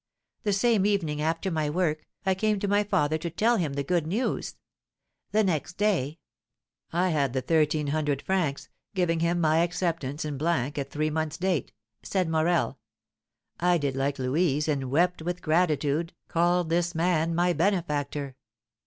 The same evening, after my work, I came to my father to tell him the good news; the next day " "I had the thirteen hundred francs, giving him my acceptance in blank at three months' date," said Morel. "I did like Louise, and wept with gratitude, called this man my benefactor.